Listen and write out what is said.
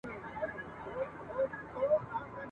بې مشاله مي رویباره چي رانه سې!.